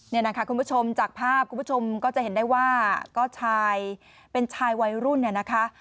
นี่นะคะคุณผู้ชมจากภาพคุณผู้ชมก็จะเห็นได้ว่าก็ชายเป็นชายวัยรุ่นเนี่ยนะคะ